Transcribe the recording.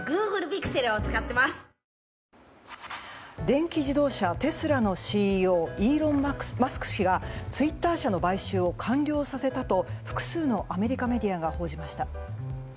電気自動車テスラのＣＥＯイーロン・マスク氏がツイッター社の買収を完了させたと複数のアメリカメディアが報じました。